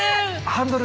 ハンドル！